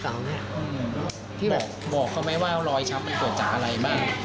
บอกเขาไหมว่ารอยการเปลี่ยนมันเกิดจากอะไรบ้าง